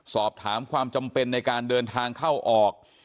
สอบถามความจำเป็นในการเดินทางเข้าออก